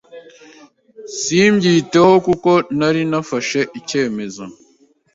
simbyiteho kuko nari narafashe icyemezo